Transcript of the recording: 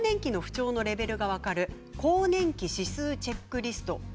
更年期の不調のレベルが分かる更年期指数チェックリスト。